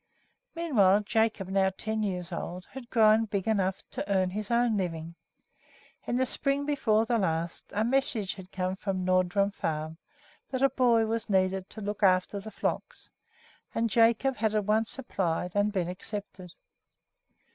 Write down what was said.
Meanwhile Jacob, now ten years old, had grown big enough to earn his own living. In the spring before the last a message had come from Nordrum Farm that a boy was needed to look after the flocks, and Jacob had at once applied and been accepted.